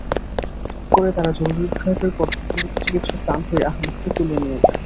পরে তাঁরা জরুরি বিভাগের কর্তব্যরত চিকিৎসক তানভির আহমেদকে তুলে নিয়ে যান।